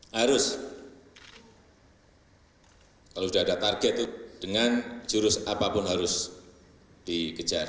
harus kalau sudah ada target itu dengan jurus apapun harus dikejar